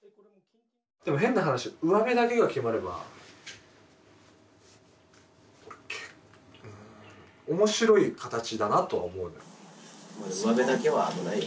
でも変な話うわべだけが決まれば面白い形だなとは思うよ。